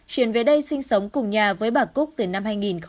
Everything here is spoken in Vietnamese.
chuyển về đây sinh sống cùng nhà với bà cúc từ năm hai nghìn một mươi